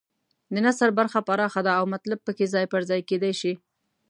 د نثر برخه پراخه ده او مطلب پکې ځای پر ځای کېدای شي.